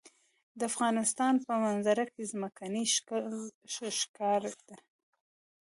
د افغانستان په منظره کې ځمکنی شکل ښکاره ده.